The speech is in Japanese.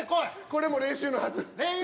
これも練習のはず。